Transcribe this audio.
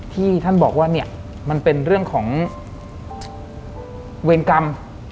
ที่ท่านบอกว่าเนี่ยมันเป็นเรื่องของเวรกรรม